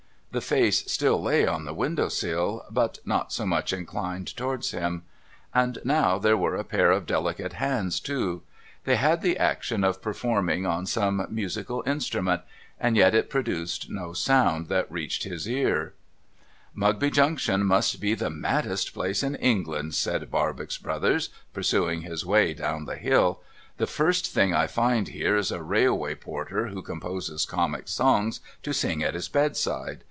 The face still lay on the window sill, but not so much inclined towards him. And now there were a pair of delicate hands too. They had the action of performing on some musical instrument, and yet it produced no sound that reached his ears. ' Mugby Junction must be the maddest place m England,' said 424 MUGBY JUNCTION Barbox Brothers, pursuing his way down tlic hill. ' The first thing I find here is a Railway Porter who composes comic songs to sing at his bedside.